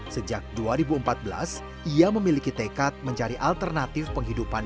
sejak dua ribu empat belas ia memiliki tekad mencari alternatif penghidupan